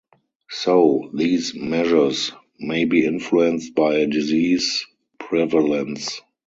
So, these measures may be influenced by disease prevalence.